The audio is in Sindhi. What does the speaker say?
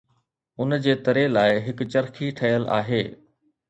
ان جي تري لاءِ هڪ چرخي ٺهيل آهي